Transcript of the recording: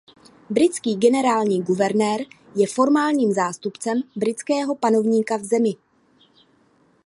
Britský generální guvernér je formálním zástupcem britského panovníka v zemi.